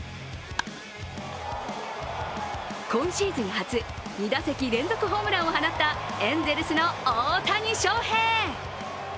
今シーズン初２打席連続ホームランを放ったエンゼルスの大谷翔平。